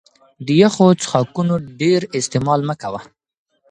د يخو څښاکونو ډېر استعمال مه کوه